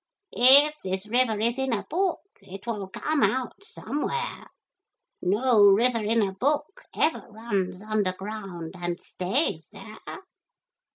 If this river is in a book it will come out somewhere. No river in a book ever runs underground and stays there.'